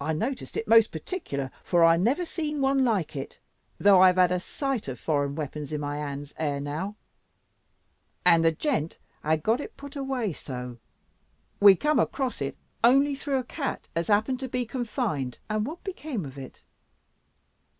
I noticed it most particular; for I never see one like it, though I have had a sight of foreign weapons in my hands ere now. And the gent had got it put away so; we come across it only through a cat as happened to be confined " "And what became of it?